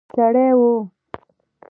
سړی وو.